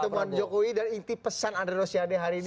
itu inti pertemuan jokowi dan inti pesan andri urus yadeh hari ini